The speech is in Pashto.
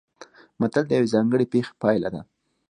متل د یوې ځانګړې پېښې پایله ده